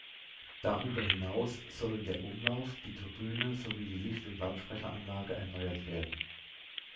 Darüber hinaus sollen der Umlauf, die Tribüne sowie die Licht- und Lautsprecheranlage erneuert werden.